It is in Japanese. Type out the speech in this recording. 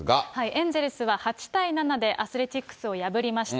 エンゼルスは８対７でアスレチックスを破りました。